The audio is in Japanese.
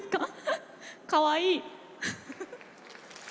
かわいい。